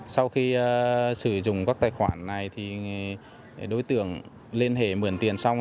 sau khi sử dụng các tài khoản này thì đối tượng liên hệ mượn tiền xong